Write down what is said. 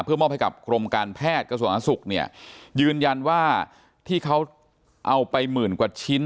เพื่อมอบให้กับโครงการแพทย์กระสุนศักดิ์สุขยืนยันว่าที่เขาเอาไปหมื่นกว่าชิ้น